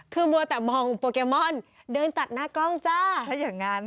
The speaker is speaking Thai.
คือมัวแต่มองโปเกมอนเดินตัดหน้ากล้องจ้า